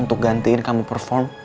untuk gantiin kamu perform